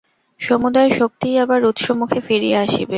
সমুদয় শক্তিই আবার উৎসমুখে ফিরিয়া আসিবে।